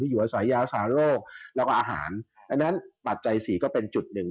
อยู่อาศัยยารักษาโรคแล้วก็อาหารอันนั้นปัจจัยสี่ก็เป็นจุดหนึ่ง